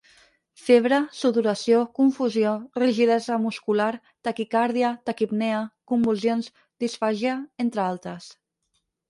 Febre, sudoració, confusió, rigidesa muscular, Taquicàrdia, Taquipnea, convulsions, Disfàgia, entre altres.